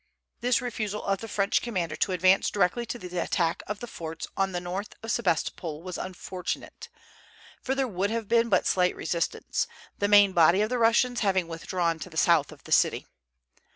This refusal of the French commander to advance directly to the attack of the forts on the north of Sebastopol was unfortunate, for there would have been but slight resistance, the main body of the Russians having withdrawn to the south of the city.